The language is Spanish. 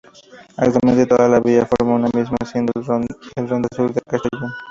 Actualmente, todo la vía forma una misma, siendo la "ronda sur" de Castellón.